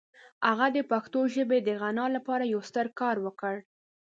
هغه د پښتو ژبې د غنا لپاره یو ستر کار وکړ.